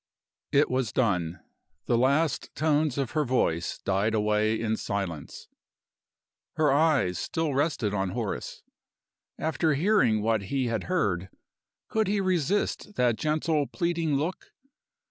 IT was done. The last tones of her voice died away in silence. Her eyes still rested on Horace. After hearing what he had heard could he resist that gentle, pleading look?